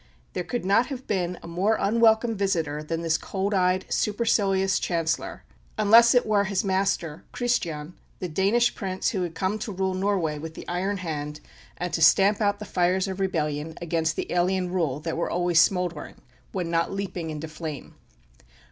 There could not have been a more unwelcome visitor than this cold eyed, supercilious Chancellor, unless it were his master, Christian, the Danish Prince who had come to rule Norway with the iron hand, and to stamp out the fires of rebellion against the alien rule that were always smouldering, when not leaping into flame.